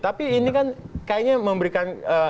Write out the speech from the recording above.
tapi ini kan kayaknya memberikan